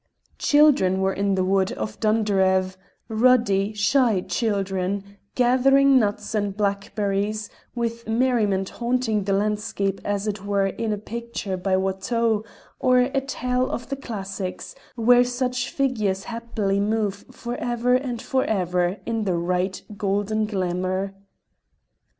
Children were in the wood of Dunderave ruddy, shy children, gathering nuts and blackberries, with merriment haunting the landscape as it were in a picture by Watteau or a tale of the classics, where such figures happily move for ever and for ever in the right golden glamour.